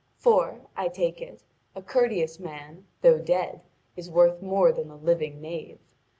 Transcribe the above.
For, I take it, a courteous man, though dead, is worth more than a living knave.